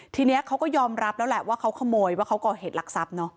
ทีนี้เขาก็ยอมรับแล้วแหละว่าเขาขโมยว่าเขาก่อเหตุรักทรัพย์เนอะ